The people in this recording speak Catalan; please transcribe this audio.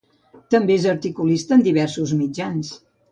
També és articulista en diversos mitjans.